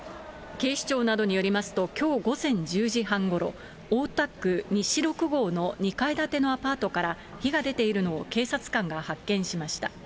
警視庁などによりますと、きょう午前１０時半ごろ、大田区にしろくごうの２階建てのアパートから火が出ているのを警察官が発見しました。